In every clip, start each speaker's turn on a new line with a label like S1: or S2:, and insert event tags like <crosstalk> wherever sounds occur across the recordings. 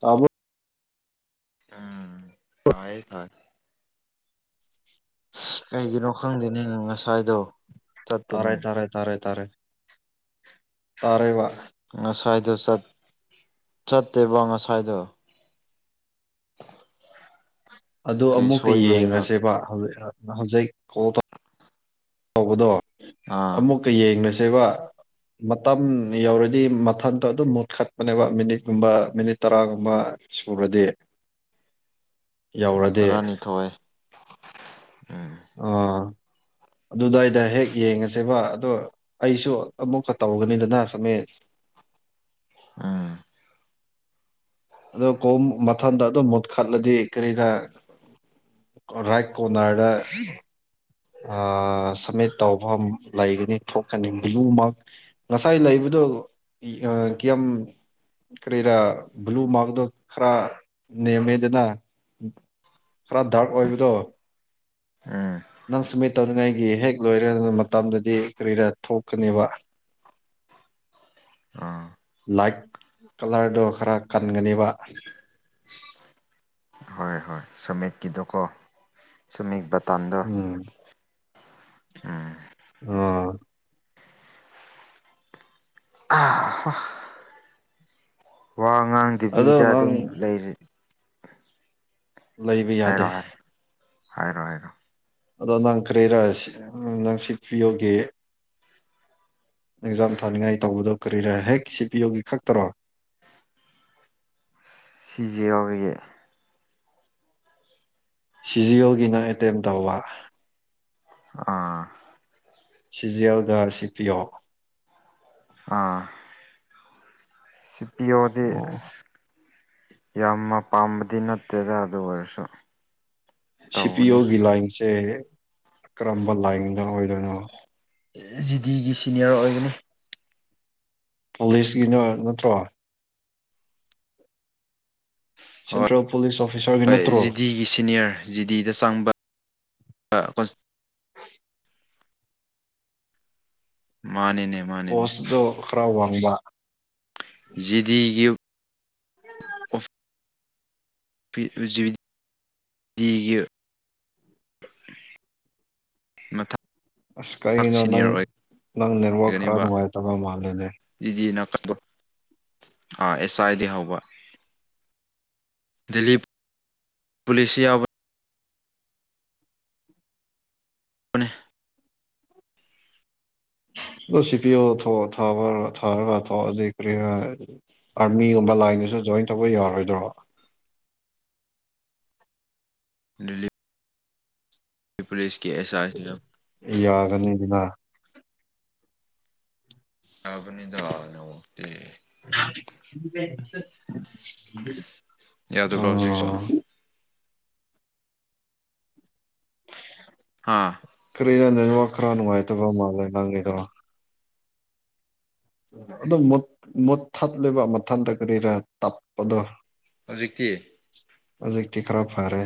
S1: ꯇꯥꯕꯨꯣ
S2: ꯎꯝ ꯇꯥꯏ ꯊꯥꯏ ꯀꯩꯒꯤꯅꯣ ꯈꯪꯗꯦꯅꯦ ꯉꯁꯥꯏꯗꯣ
S1: ꯇꯥꯔꯥꯏ
S2: ꯆꯠꯇꯦꯅꯦ
S1: ꯇꯔꯦ ꯇꯥꯔꯦ ꯇꯥꯔꯦ ꯇꯔꯦ ꯋꯥ
S2: ꯉꯁꯥꯏꯗꯨꯣꯠ ꯆꯠꯇꯦꯕꯣ ꯉꯁꯥꯏꯗꯣ
S1: ꯑꯗꯨ
S2: ꯀꯩ
S1: ꯑꯃꯨꯛꯀ
S2: ꯁꯣꯏꯕꯒꯤꯔ
S1: ꯌꯦꯡꯉꯁꯦꯕ ꯍꯧꯖꯤꯛ ꯀꯣ ꯇ ꯇꯧꯕꯗꯣ
S2: ꯑꯥ
S1: ꯑꯃꯨꯛꯀ ꯌꯦꯡꯁꯦꯕ ꯃꯇꯝ ꯌꯧꯔꯗꯤ ꯃꯊꯟꯗꯣ ꯑꯗꯨꯝ ꯃꯨꯠꯈꯠꯄꯅꯦꯕ ꯃꯤꯅꯤꯠꯀꯨꯝꯕ ꯃꯤꯅꯤꯠ ꯇꯔꯥꯒꯨꯝꯕ ꯁꯨꯕꯗꯤ ꯌꯧꯔꯗꯤ
S2: ꯇꯔꯥꯅꯤꯊꯣꯏ ꯎꯝ
S1: ꯎꯝ ꯑꯗꯨꯗꯥꯏꯗ ꯍꯦꯛ ꯌꯦꯡꯉꯁꯦꯕ ꯑꯗꯣ ꯑꯩꯁꯨ ꯑꯃꯨꯛꯀ ꯇꯧꯒꯅꯤꯗꯅ ꯆꯃꯦ
S2: ꯑꯝ
S1: ꯑꯗꯣ ꯀꯣꯝ ꯃꯊꯟꯗ ꯑꯗꯨꯝ ꯃꯨꯠꯈꯠꯂꯗꯤ ꯀꯔꯤꯅ ꯥꯏ ꯀꯣꯟꯅꯥꯔꯗ ꯁꯝꯃꯤꯠ ꯇꯧꯕꯐꯝ ꯂꯩꯒꯅꯤ ꯊꯣꯛꯀꯅꯤ ꯃꯃꯛ ꯉꯁꯥꯏ ꯂꯩꯕ ꯀꯌꯥꯝ ꯀꯔꯤꯔꯥ ꯕ꯭ꯂꯨ ꯃꯥꯔꯛꯇꯣ ꯈꯔ ꯅꯦꯝꯃꯦꯗꯅ ꯈꯔ ꯗꯥꯔꯛ ꯑꯣꯏꯕꯗꯣ
S2: ꯎꯝ
S1: ꯅꯪ ꯁꯨꯃꯤꯠ ꯇꯧꯅꯤꯡꯉꯥꯏꯒꯤ ꯍꯦꯛ ꯂꯣꯏꯔꯦ ꯑꯗꯨꯅ ꯃꯇꯝꯗꯗꯤ ꯀꯔꯤꯔꯥ ꯊꯣꯛꯀꯅꯦꯕ
S2: ꯑꯥ
S1: ꯂꯥꯏꯠ ꯀꯂꯔꯗꯣ ꯈꯔ ꯀꯟꯒꯅꯦꯕ
S2: ꯍꯣꯏ ꯍꯣꯏ ꯁꯃꯤꯛꯀꯤꯗꯣꯀꯣ ꯁꯃꯤ ꯇꯗ
S1: ꯎꯝ
S2: ꯎꯝ
S1: ꯑ
S2: ꯑ
S1: ꯑꯗꯣ
S2: ꯋꯥꯉꯥꯡꯗꯨꯕꯤꯗ
S1: ꯅꯪ
S2: ꯑꯗꯨꯝ ꯂꯩꯔꯤ
S1: ꯂꯩꯕ
S2: ꯍꯥꯏꯔꯣ
S1: ꯌꯥꯗꯦ
S2: ꯍꯥꯏꯔꯣ ꯍꯥꯏꯔꯣ ꯍꯥꯏꯔꯣ
S1: ꯑꯗꯣ ꯅꯪ ꯀ꯭ꯔꯦꯔ ꯎ ꯅꯪ ꯁꯤꯠꯄꯤꯌꯣꯒꯦ ꯑꯦꯛꯖꯥꯝ ꯊꯥꯅꯤꯡꯉꯥꯏ ꯇꯧꯕꯗꯣ ꯀꯔꯤꯔ ꯍꯦꯛ ꯁꯤꯠ ꯄꯤꯌꯣꯒꯤ ꯈꯛꯇꯔꯣ
S2: ꯁꯤꯖꯤ ꯑꯣꯏꯒꯤ
S1: ꯁꯤꯖꯤꯌꯜꯒꯤꯅ ꯑꯦꯇꯦꯝ ꯇꯧꯕ
S2: ꯑꯥ
S1: ꯁꯤꯖꯦꯜ ꯗ ꯁꯤ ꯄꯤ ꯑꯣ
S2: ꯑꯥ ꯁꯤ ꯄꯤ ꯑꯣꯗꯤ
S1: ꯑꯣ
S2: ꯌꯥꯝꯅ ꯄꯥꯝꯕꯗꯤ ꯅꯠꯇꯦꯗ ꯑꯗꯨ ꯑꯣꯏꯔꯁꯨ
S1: ꯁꯤ ꯄꯤ
S2: ꯇꯧꯕꯅꯤ
S1: ꯑꯣꯒꯤ ꯂꯥꯏꯟꯁꯦ ꯀꯔꯝꯕ ꯂꯥꯏꯟꯅ ꯑꯣꯏꯗꯣꯏꯅꯣ
S2: ꯖꯤꯗꯤꯒꯤ ꯁꯤꯅꯤꯌꯔ ꯑꯣꯏꯒꯅꯤ
S1: ꯄꯨꯂꯤꯁꯀꯤꯅ ꯅꯠꯇ꯭ꯔꯣ
S2: ꯍꯣꯏ
S1: ꯁꯦꯟꯇ꯭ꯔꯦꯜ ꯄꯨꯂꯤꯁ ꯑꯣꯐꯤꯁꯥꯔꯒꯤ
S2: ꯍꯣꯏ
S1: ꯅꯠꯇ꯭ꯔꯣ
S2: ꯖꯤꯗꯤꯒꯤ ꯁꯤꯅꯤꯌꯔ ꯖꯤꯗꯤꯗ ꯆꯪꯕ ꯑ ꯀ ꯃꯥꯅꯤꯅꯦ ꯃꯥꯅꯤꯅꯦ
S1: ꯔꯥꯎ ꯍꯥꯡꯕ
S2: ꯦꯗꯤꯒꯤ ꯒ ꯅꯠꯇ
S1: ꯑꯁ ꯀꯔꯤꯩꯅꯣ ꯅꯪ ꯅꯪ ꯅꯔꯋꯥ ꯈꯔꯅꯅꯨꯡ ꯑꯣꯏ ꯇꯕ ꯃꯥꯜꯅꯦ
S2: ꯏꯗꯤꯅ ꯑꯥ ꯑꯦꯁ ꯑꯥꯏꯗꯤ ꯍꯧꯕ ꯗ ꯄꯂꯤꯁꯤꯌꯥ ꯍ
S1: ꯁꯤ ꯄꯤ ꯑꯣ ꯊꯕ ꯊꯥꯔꯒꯑꯣ ꯑꯗꯨꯩ ꯀꯔꯤ ꯑꯥꯔꯃꯤꯒꯨꯝꯕ ꯂꯥꯏꯟꯗꯁꯨ ꯖꯣꯏꯟ ꯇꯧꯕ ꯌꯥꯔꯣꯏꯗ꯭ꯔꯣ
S2: <inaudible> ꯗꯦꯂꯤꯚ ꯄꯨꯂꯤꯁ
S1: ꯌꯥꯒꯅꯤꯗꯤ ꯂ
S2: ꯌꯥꯕꯅꯤꯗꯥꯅꯣꯇ
S1: ꯀ
S2: ꯌꯥꯗꯣ ꯄꯥꯎꯁꯤ ꯍꯥꯥ
S1: ꯐ ꯋꯥꯈ꯭ꯔꯅꯨꯡꯉꯥꯏꯇꯕ ꯃꯥ ꯂꯩꯦ ꯅꯪꯗ ꯑꯣ ꯃꯣꯊꯠꯂꯤꯕ ꯃꯊꯟꯇ ꯀꯔꯤꯔ ꯇꯞꯄꯗꯣ
S2: ꯍꯧꯖꯤꯛꯇꯤ
S1: ꯍꯧꯖꯤꯛꯇꯤ ꯈꯔꯞ ꯐꯔꯦ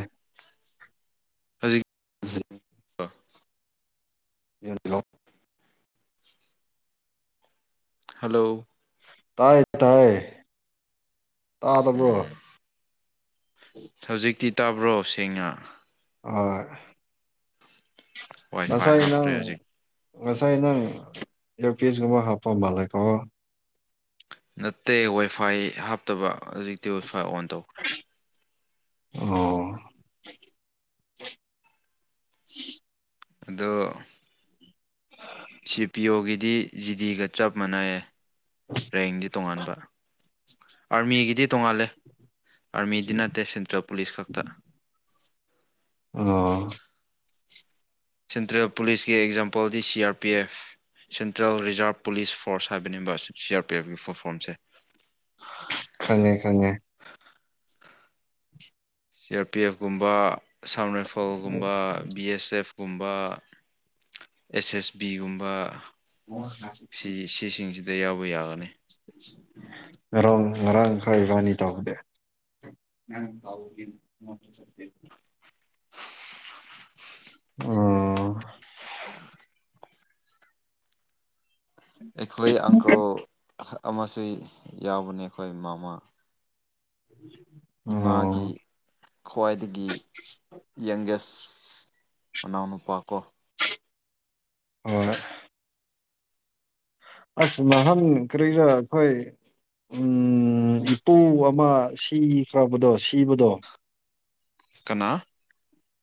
S2: ꯍꯧꯖꯤꯛ
S1: ꯌꯦꯂꯣ
S2: ꯍꯜꯂꯣ
S1: ꯇꯥꯏ ꯇꯥꯏ ꯇꯥ ꯇ ꯄꯨ꯭ꯔꯣ
S2: ꯎꯝ ꯍꯧꯖꯤꯛꯇꯤ ꯇꯥꯕ꯭ꯔꯣ ꯁꯦꯡꯅ
S1: ꯍ
S2: ꯋꯥꯏ
S1: ꯅꯁ
S2: ꯐꯥꯏ
S1: ꯏꯅ
S2: ꯍꯥꯞꯈ꯭ꯔꯦ ꯍꯧꯖꯤꯛ
S1: ꯑꯣꯁꯩꯅ ꯏꯔ ꯄꯤꯁꯒꯨꯝꯕ ꯍꯥꯞꯄ ꯂꯀꯣ
S2: ꯅꯠꯇꯦ ꯋꯥꯏꯐꯥꯏ ꯍꯥꯞꯇꯕ ꯍꯧꯖꯤꯛꯇꯤ ꯋꯥꯏꯐꯥꯏ ꯑꯣꯟ ꯇꯧꯈ꯭ꯔꯦ
S1: ꯑꯣ ꯍ
S2: ꯑꯗꯣ ꯁꯤ ꯄꯤ ꯑꯣꯒꯤꯗꯤ ꯖꯤꯗꯤꯒ ꯆꯞ ꯃꯥꯟꯅꯩꯌꯦ ꯔꯦꯡꯗꯤ ꯇꯣꯉꯥꯟꯕ ꯑꯥꯔꯃꯤꯒꯤꯗꯤ ꯇꯣꯡꯉꯥꯜꯂꯦ ꯑꯔꯃꯤꯗꯤꯅꯥꯇ ꯁꯦꯟꯇ꯭ꯔꯦꯜ ꯄꯨꯂꯤꯁ ꯀꯥꯛꯇꯥ
S1: ꯑꯣ
S2: ꯁꯦꯟꯇ꯭ꯔꯦꯜ ꯄꯨꯂꯤꯁꯀꯤ ꯑꯦꯛꯖꯥꯝꯄꯜꯗꯤ C R P F central reserve police force ꯍꯥꯏꯕꯅꯦꯕ ꯁꯤ ꯑꯥꯔ ꯄꯤ ꯑꯦꯐꯀꯤ ꯐꯣꯔꯝꯁꯦ
S1: ꯈꯪꯉꯦ ꯈꯪꯉꯦ
S2: ꯁꯤ ꯑꯥꯔ ꯄꯤ ꯑꯦꯐ ꯀꯨꯝꯕ ꯁꯝ ꯔꯥꯏꯐꯜꯒꯨꯝꯕ ꯕꯤ ꯑꯦꯁ ꯑꯦꯐ ꯨꯝꯕ ꯑꯦꯁ ꯑꯦꯁ ꯕꯤꯒꯨꯝꯕ
S1: ꯑꯣꯁꯤ
S2: ꯁꯤꯗ ꯌꯥꯎꯕ ꯌꯥꯒꯅꯤ
S1: ꯉꯔꯥꯡ ꯉꯔꯥꯡ ꯀꯥꯏꯕꯥꯅꯤ ꯇꯧꯅꯦ ꯅꯪ ꯇꯥꯎꯒ ꯆ ꯑꯣ
S2: ꯑꯩꯈꯣꯏ ꯑꯪꯀꯜ ꯑꯃꯁꯨ ꯌꯥꯎꯕꯅꯦ ꯑꯩꯈꯣꯏ ꯃꯃꯥ
S1: ꯎꯝ
S2: ꯏꯃꯥꯒꯤ ꯈ꯭ꯋꯥꯏꯗꯒꯤ ꯌꯪꯒꯦꯁ ꯃꯅꯥꯎ ꯅꯨꯄꯥ ꯀꯣ
S1: ꯑꯣ ꯑꯁ ꯃꯍꯟ ꯀꯔꯤꯔ ꯑꯩꯈꯣꯏ ꯎꯝ ꯏꯄꯨ ꯑꯃ ꯁꯤꯈ꯭ꯔꯕꯗꯣ ꯁꯤꯕꯗꯣ
S2: ꯀꯅꯥ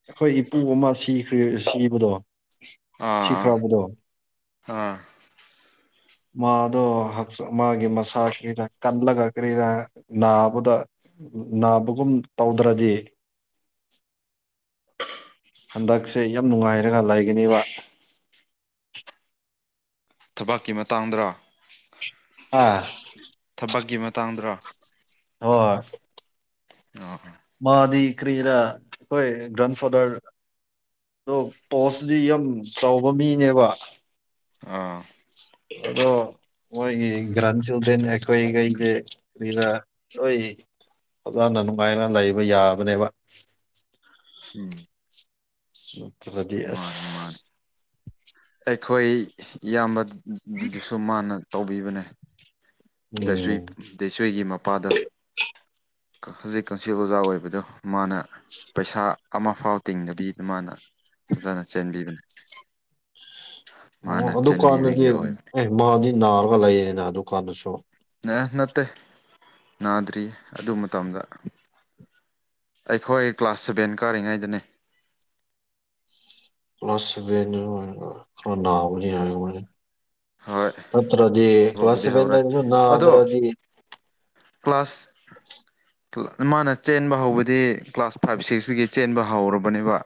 S1: ꯑꯩꯈꯣꯏ ꯏꯄꯨ ꯑꯃ ꯁꯤꯈꯦ ꯁꯤꯕꯗꯣ ꯁꯤꯈ꯭ꯔꯕꯗꯣ
S2: ꯍꯥꯥ
S1: ꯃꯥꯗꯣꯆ ꯃꯥꯒꯤ ꯃꯁꯥꯁꯤꯗ ꯀꯜꯂꯒ ꯀꯔꯤꯗ ꯅꯥꯕꯗ ꯅꯥꯕꯒꯨꯝ ꯇꯧꯗ꯭ꯔꯗꯤ ꯍꯟꯗꯛꯁꯦ ꯌꯥꯝ ꯅꯨꯡꯉꯥꯏꯔꯒ ꯂꯩꯒꯅꯦꯕ
S2: ꯊꯕꯛꯀꯤ ꯃꯇꯥꯡꯗꯔ
S1: ꯑꯥ
S2: ꯊꯕꯛꯀꯤ ꯃꯇꯥꯡꯗꯔ
S1: ꯑ
S2: ꯑ ꯍꯣ
S1: ꯃꯥꯗꯤ ꯀ꯭ꯔꯤꯔꯥ ꯍꯣꯏ ꯔꯥꯟ ꯐꯥꯗꯔ ꯑꯣ ꯄꯣꯁꯗꯤ ꯌꯥꯝ ꯆꯥꯎꯕ ꯃꯤꯅꯦꯕ
S2: ꯑꯥ
S1: ꯑꯣ ꯃꯣꯏꯒꯤ ꯒ꯭ꯔꯥꯟ ꯆꯤꯜꯗ꯭ꯔꯦꯟ ꯑꯩꯈꯣꯏꯈꯩꯒꯤ ꯀꯗ ꯑꯩꯣꯏ ꯐꯖꯅ ꯅꯨꯡꯉꯥꯏꯅ ꯂꯩꯕ ꯌꯥꯕꯅꯦꯕ
S2: ꯎꯝ
S1: ꯎ
S2: ꯃꯥꯅꯤ ꯃꯥꯅꯤ ꯑꯩꯈꯣꯏ ꯏꯌꯥꯝꯕ ꯑꯗꯨꯁꯨ ꯃꯥꯅ ꯇꯧꯕꯤꯕꯅꯦ ꯗꯁꯣꯏ
S1: ꯎꯝ
S2: ꯗꯁꯣꯏꯒꯤ ꯃ ꯃꯄꯥꯗꯣ ꯍꯧꯖꯤꯛ ꯀꯛꯁꯤ ꯑꯣꯖꯥ ꯑꯣꯏꯕꯗꯣ ꯃꯥꯅ ꯄꯩꯁꯥ ꯑꯃꯐꯥꯎ ꯇꯤꯡꯗꯕꯤꯗ ꯃꯥꯅ ꯐꯖꯅ ꯆꯦꯟꯕꯤꯕꯅꯤ
S1: ꯑꯣ
S2: ꯃꯥꯅ
S1: ꯑꯗꯨꯀꯥꯟꯗꯗꯤ
S2: ꯆꯦꯟꯕꯤꯕꯒꯤ ꯑꯣꯏꯕꯅꯤ
S1: ꯑꯦ ꯃꯥꯗꯤ ꯅꯥꯔꯒ ꯂꯩꯌꯦꯅꯦ ꯑꯗꯨꯀꯥꯟꯗꯁꯨ
S2: ꯑꯦ ꯅꯠꯇꯦ ꯅꯥꯗ꯭ꯔꯤꯌꯦ ꯑꯗꯨ ꯃꯇꯝꯗ ꯑꯩꯈꯣꯏ ꯀ꯭ꯂꯥꯁ ꯁꯚꯦꯟ ꯀꯥꯔꯤꯉꯩꯗꯅꯦ
S1: ꯄꯁꯅ ꯅꯅꯥꯅꯤ
S2: ꯍꯣꯏ
S1: ꯍꯥꯏꯅ ꯇ꯭ꯔꯗꯤ ꯀ꯭ꯂꯥꯁ
S2: ꯍꯧꯕꯕꯨꯗꯤ ꯍꯧꯔꯦ
S1: ꯁꯚꯦꯟꯗꯁꯨ ꯅ ꯑꯗ꯭ꯔꯗꯤ
S2: ꯀ꯭ꯂ꯭ꯂꯥꯁ ꯃꯥꯅ ꯆꯦꯟꯕ ꯍꯧꯕꯗꯤ ꯀ꯭ꯂꯥꯁ ꯐꯥꯏꯚ ꯁꯤꯛꯁꯇꯒꯤ ꯆꯦꯟꯕ ꯍꯧꯔꯕꯅꯦꯕ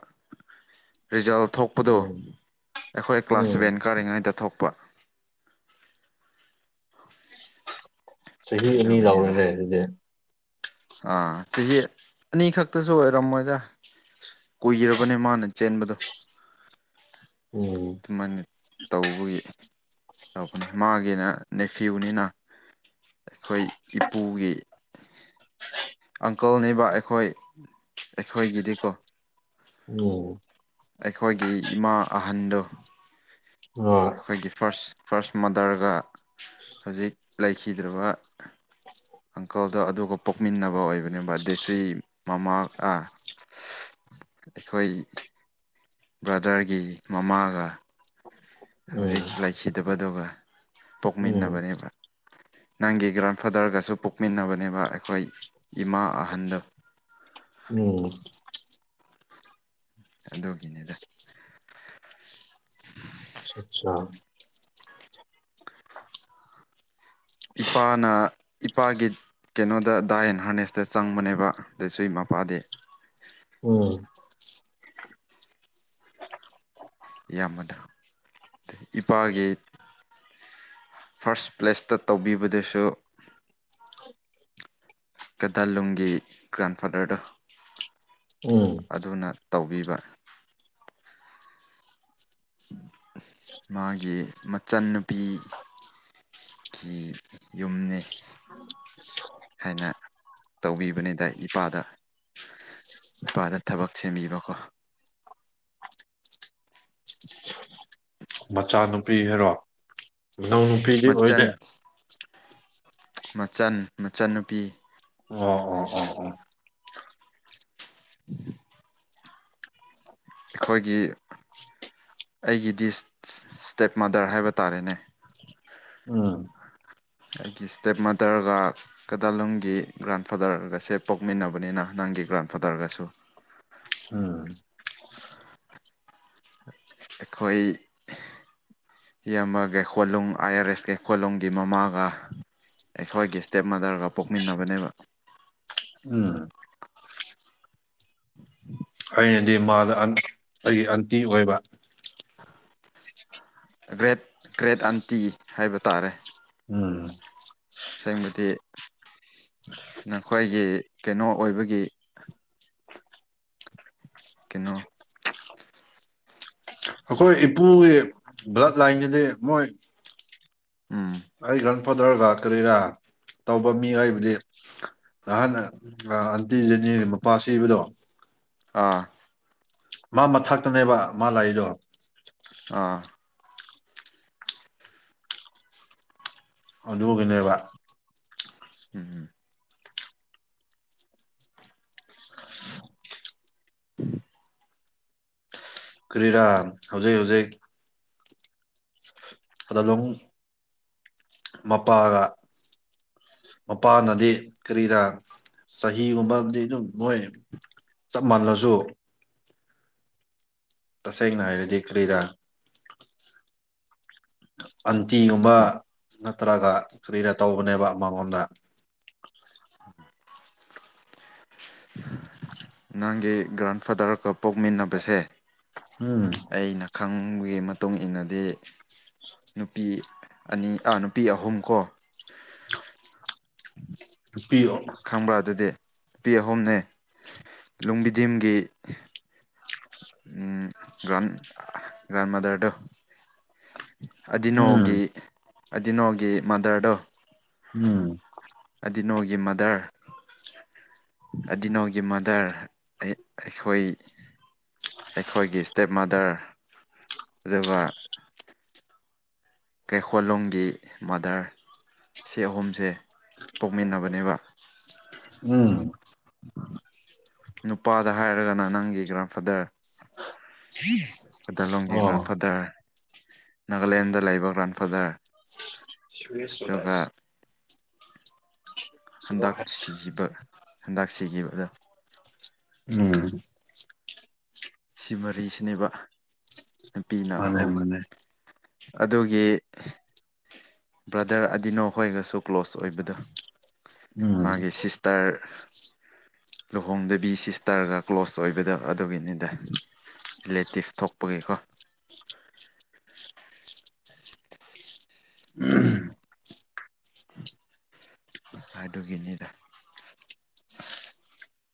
S2: ꯔꯤꯖꯜ ꯊꯣꯛꯄꯗꯨ
S1: ꯎꯝ
S2: ꯑꯩꯈꯣꯏ ꯀ꯭ꯂꯥꯁ
S1: ꯎꯝ
S2: ꯁꯚꯦꯟ ꯀꯥꯔꯤꯉꯩꯗ ꯊꯣꯛꯄ ꯄ
S1: ꯆꯍꯤ ꯑꯅꯤ
S2: ꯑꯗꯨꯒꯅꯤꯗ
S1: ꯌꯥꯎꯔꯅꯦ ꯑꯗꯨꯗꯤ
S2: ꯑꯥ ꯆꯍꯤ ꯑꯅꯤ ꯈꯛꯇꯁꯨ ꯑꯣꯏꯔꯝꯃꯣꯏꯗ ꯀꯨꯏꯔꯕꯅꯦ ꯃꯥꯅ ꯆꯦꯟꯕꯗꯣ
S1: ꯎꯝ
S2: ꯑꯗꯨꯃꯥꯏꯅ ꯇꯧꯕꯒꯤ ꯇꯧꯕꯅꯤ ꯃꯥꯒꯤꯅ ꯅꯦꯐꯤꯌꯨꯅꯤꯅ ꯑꯩꯈꯣꯏ ꯏꯄꯨꯒꯤ ꯑꯪꯀꯜꯅꯦꯕ ꯑꯩꯈꯣꯏ ꯑꯩꯈꯣꯏꯒꯤꯗꯤꯀꯣ
S1: ꯑꯣꯝ
S2: ꯑꯩꯈꯣꯏꯒꯤ ꯏꯃꯥ ꯑꯍꯟꯗꯨ
S1: ꯍꯣꯏ
S2: ꯑꯩꯈꯣꯏꯒꯤ ꯐꯥꯔꯁ ꯐꯥꯔꯁ ꯃꯥꯗꯔꯒ ꯍꯧꯖꯤꯛ ꯂꯩꯈꯤꯗ꯭ꯔꯕ ꯑꯪꯀꯜꯗꯣ ꯑꯗꯨꯒ ꯄꯣꯛꯃꯤꯟꯅꯕ ꯑꯣꯏꯕꯅꯦꯕ ꯗꯦꯁ ꯃꯃꯥ ꯑꯩꯈꯣꯏ ꯕ꯭ꯔꯗꯔꯒꯤ ꯃꯃꯥꯒ
S1: ꯎꯝ
S2: ꯍꯧꯖꯤꯛ ꯂꯩꯈꯤꯗꯕꯗꯨꯒ
S1: ꯎꯝ
S2: ꯄꯣꯛꯃꯤꯟꯅꯕꯅꯦꯕ ꯅꯪꯒꯤ ꯒ꯭ꯔꯥꯟꯐꯥꯗꯔꯒꯁꯨ ꯄꯣꯛꯃꯤꯟꯅꯕꯅꯦꯕ ꯑꯩꯈꯣꯏ ꯏꯃꯥ ꯑꯍꯟꯗ
S1: ꯎꯝ
S2: ꯑꯗꯨꯒꯤꯅꯤꯗ
S1: ꯑꯆꯥ
S2: ꯏꯄꯥꯅ ꯏꯄꯥꯒꯤ ꯀꯩꯅꯣꯗ ꯗꯥꯏ ꯑꯦꯟ ꯍꯥꯔꯅꯦꯁꯇ ꯆꯪꯕꯅꯦꯕ ꯑꯗꯨꯗꯁꯨ ꯏ ꯃꯄꯥꯗꯤ
S1: ꯎꯝ
S2: ꯏꯌꯥꯝꯕꯅ ꯏꯄꯥꯒꯤ ꯐꯥꯔꯁ ꯄ꯭ꯂꯦꯁꯇ ꯇꯧꯕꯤꯕꯗꯨꯁꯨ ꯀꯗꯥꯂꯨꯝꯒꯤ ꯒ꯭ꯔꯥꯟꯐꯥꯗꯔꯗ
S1: ꯎꯝ
S2: ꯑꯗꯨꯅ ꯇꯧꯕꯤꯕ꯭ꯔꯥ ꯃꯥꯒꯤ ꯃꯆꯟꯅꯨꯄꯤ ꯌꯨꯝꯅꯤ ꯍꯥꯏꯅ ꯇꯧꯕꯤꯕꯅꯤꯗ ꯏꯄꯥꯗ ꯄꯥꯗ ꯊꯕꯛꯁ ꯃꯤꯕꯀꯣ
S1: ꯃꯆꯥꯅꯨꯄꯤ ꯍꯥꯏꯔꯣ ꯅꯧ ꯅꯨꯄꯤꯗꯤ
S2: ꯃꯆꯟ
S1: ꯑꯣꯏꯗꯦ
S2: ꯃꯆꯟ ꯃꯆꯟꯅꯨꯄꯤ
S1: ꯑꯣ ꯑꯣ ꯑꯣ ꯑꯣ
S2: <inaudible> ꯑꯩꯈꯣꯏꯒꯤ ꯑꯩꯒꯤꯗꯤ ꯏꯁꯇꯦꯞ ꯃꯥꯗꯔ ꯍꯥꯏꯕ ꯇꯥꯔꯦꯅꯦ
S1: ꯎꯝ
S2: ꯑꯩꯒꯤ ꯏꯁꯇꯦꯞ ꯃꯥꯗꯔꯒ ꯀꯗꯥꯂꯨꯝꯒꯤ ꯒ꯭ꯔꯥꯟꯐꯥꯗꯔꯒꯁꯦ ꯄꯣꯛꯃꯤꯟꯅꯕꯅꯤꯅ ꯍ ꯅꯪꯒꯤ ꯒ꯭ꯔꯥꯟ ꯐꯥꯗꯔꯒꯁꯨ
S1: ꯑ
S2: ꯑꯩꯈꯣꯏ ꯌꯥꯃꯒꯩꯀꯣꯂꯣꯡ ꯑꯥꯏ ꯑꯥꯔ ꯑꯦꯁ ꯀꯩꯀꯣꯂꯣꯡꯒꯤ ꯃꯃꯥꯒ ꯑꯩꯈꯣꯏꯒꯤ ꯏꯁꯇꯦꯞ ꯃꯥꯗꯔꯒ ꯄꯣꯛꯃꯤꯟꯅꯕꯅꯦꯕ
S1: ꯎꯝ
S2: <inaudible>
S1: ꯑꯩꯅꯗꯤ ꯃꯥꯗ ꯑꯩꯒꯤ ꯑꯟꯇꯤ ꯑꯣꯏꯕ
S2: ꯒ꯭ꯔꯦꯠ ꯒ꯭ꯔꯦꯠ ꯑꯟꯇꯤ ꯍꯥꯏꯕ ꯇꯥꯔꯦ
S1: ꯎꯝ
S2: ꯁꯦꯡꯕꯗꯤ ꯅꯈꯣꯏꯒꯤ ꯀꯩꯅꯣ ꯑꯣꯏꯕꯒꯤ ꯀꯩꯅꯣ
S1: ꯑꯩꯈꯣꯏ ꯏꯄꯨꯒꯤ ꯕ꯭ꯂꯠ ꯂꯥꯏꯟꯒꯤꯗꯤ ꯃꯣꯏ
S2: ꯎꯨꯝ
S1: ꯑꯩ ꯒ꯭ꯔꯥꯟꯐꯥꯗꯔꯒ ꯀꯔꯤꯔꯥ ꯇꯧꯕ ꯃꯤ ꯍꯥꯏꯕꯨꯗꯤ ꯅꯍꯥꯟ ꯑꯟꯇꯤꯖꯅꯤ ꯃꯄꯥ ꯁꯤꯕꯗꯣ
S2: ꯑꯥ
S1: ꯃꯥ ꯃꯊꯛꯇꯅꯦꯕ ꯃꯥ ꯂꯥꯛꯏꯗꯣ
S2: ꯑꯥ
S1: ꯑꯗꯨꯒꯤꯅꯦꯕ
S2: ꯎꯨꯝ ꯎꯨꯝ
S1: ꯀꯔꯤꯔꯥ ꯍꯧꯖꯤꯛ ꯍꯧꯖꯤꯛ ꯑꯗꯨꯂꯨꯡ ꯃꯄꯥꯒ ꯃꯄꯥꯟꯅꯗꯤ ꯀꯔꯤꯔ ꯆꯍꯤꯒꯨꯝꯕꯗꯤ ꯑꯗꯨꯝ ꯅꯣꯏ ꯆꯞ ꯃꯥꯟꯂꯁꯨ ꯇꯁꯦꯡꯅ ꯍꯥꯏꯔꯗꯤ ꯀꯔꯤꯔꯥ ꯑꯟꯇꯤꯒꯨꯝꯕ ꯅꯠꯇ꯭ꯔꯒ ꯀꯔꯤꯗ ꯇꯧꯕꯅꯦꯕ ꯃꯉꯣꯟꯗ
S2: <inaudible> ꯅꯪꯒꯤ ꯒ꯭ꯔꯥꯟꯐꯥꯗꯔꯒ ꯄꯣꯛꯃꯤꯟꯅꯕꯁꯦ
S1: ꯎꯨꯝ
S2: ꯑꯩꯅ ꯈꯪꯕꯒꯤ ꯃꯇꯨꯡ ꯏꯟꯅꯗꯤ ꯅꯨꯄꯤ ꯑꯅꯤ ꯑꯥ ꯅꯨꯄꯤ ꯑꯍꯨꯝ ꯀꯣ
S1: ꯅꯨꯄꯤ
S2: ꯈꯪꯕ꯭ꯔꯥ ꯑꯗꯨꯗꯤ ꯅꯨꯄꯤ ꯑꯍꯨꯝꯅꯦ ꯂꯨꯡꯕꯤꯗꯤꯝꯒꯤ ꯎꯝ ꯒ꯭ꯔꯥꯟ ꯒ꯭ꯔꯥꯟ ꯃꯥꯗꯔꯗꯣ
S1: ꯎꯝ
S2: ꯑꯗꯤꯅꯣꯒꯤ ꯑꯗꯤꯅꯣꯒꯤ ꯃꯥꯗꯔꯗꯣ
S1: ꯎꯨꯝ
S2: ꯗꯤꯅꯣꯒꯤ ꯃꯥꯗꯔ ꯑꯗꯤꯅꯣꯒꯤ ꯃꯥꯗꯔ ꯑꯩꯈꯣꯏ ꯑꯩꯈꯣꯏꯒꯤ ꯏꯁꯇꯦꯞ ꯃꯥꯗꯔ ꯑꯗꯨꯒ ꯀꯩꯈꯣꯜꯂꯣꯝꯒꯤ ꯃꯥꯗꯔ ꯁꯤ ꯑꯍꯨꯝꯁꯦ ꯄꯣꯛꯃꯤꯟꯅꯕꯅꯦꯕ
S1: ꯎꯨꯝ
S2: ꯅꯨꯄꯥꯗ ꯍꯥꯏꯔꯒꯅ ꯅꯪꯒꯤ ꯒ꯭ꯔꯥꯟ ꯐꯥꯗꯔ ꯀꯗꯂꯣꯡꯒꯤ ꯒ꯭ꯔꯥꯟ
S1: ꯑꯣ
S2: ꯐꯥꯗꯔ ꯅꯥꯒꯥꯂꯦꯟꯗ ꯂꯩꯕ ꯒ꯭ꯔꯥꯟꯐꯥꯗꯔ
S1: ꯁꯔꯤꯁ ꯁ
S2: ꯑꯗꯨꯒ
S1: ꯗꯥꯁ
S2: ꯍꯟꯗꯛ ꯁꯤꯈꯤꯕ ꯍꯟꯗꯛ ꯁꯤꯈꯤꯕꯗ
S1: ꯎꯨꯝ
S2: ꯁꯤ ꯃꯔꯤꯁꯤꯅꯦꯕ ꯅꯨꯄꯤꯅ
S1: ꯃꯥꯅꯦ
S2: ꯑꯍꯨꯝ
S1: ꯃꯥꯅꯦ
S2: ꯑꯗꯨꯒꯤ ꯕ꯭ꯔꯗꯔ ꯑꯗꯤꯅꯣ ꯍꯣꯏꯒꯁꯨ ꯀ꯭ꯂꯣꯁ ꯑꯣꯏꯕꯗꯣ
S1: ꯎꯝ
S2: ꯃꯥꯒꯤ ꯁꯤꯁꯇꯔ ꯂꯨꯍꯣꯡꯗꯕꯤ ꯁꯤꯁꯇꯔꯒ ꯀ꯭ꯂꯣꯁ ꯑꯣꯏꯕꯗꯣ ꯑꯗꯨꯒꯤꯅꯤꯗ ꯔꯤꯂꯦꯇꯤꯞ ꯊꯣꯛꯄꯒꯤꯀꯣ
S1: ꯎꯨꯝꯍ
S2: ꯑꯗꯨꯒꯤꯅꯤꯗ